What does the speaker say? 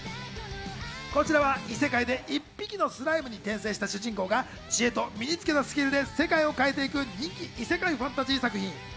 こちらは異世界で一匹のスライムに転生した主人公が知恵と身につけたスキルで世界を変えていく人気異世界ファンタジー作品。